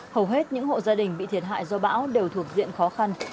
hầu hết những hộ gia đình bị thiệt hại do bão đều thuộc diện khó khăn